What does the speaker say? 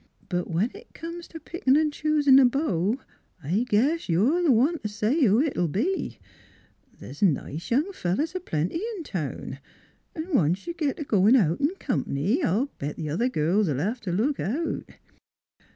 But when it comes t' pickin' an' choosin' a beau, I guess you're the one t' say who it'll be. The's 1 88 NEIGHBORS nice young fellows a plenty in town, V once you git t' goin' out in comp'ny I'll bet th' other girls '11 hev t' look out.